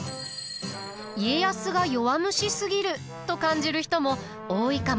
家康が弱虫すぎると感じる人も多いかもしれません。